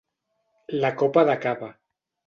La copa de cava.